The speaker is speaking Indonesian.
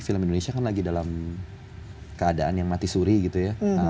film indonesia kan lagi dalam keadaan yang mati suri gitu ya